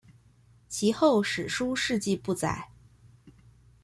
其后史书事迹不载。